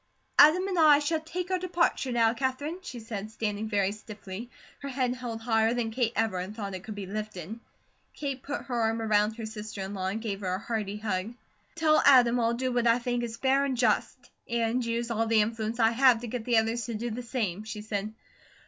"Adam and I shall take our departure now, Katherine," she said, standing very stiffly, her head held higher than Kate ever had thought it could be lifted. Kate put her arm around her sister in law and gave her a hearty hug: "Tell Adam I'll do what I think is fair and just; and use all the influence I have to get the others to do the same," she said.